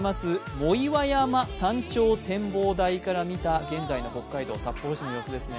藻岩山山頂展望台から見た現在の北海道札幌市の様子ですね。